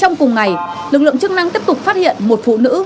trong cùng ngày lực lượng chức năng tiếp tục phát hiện một phụ nữ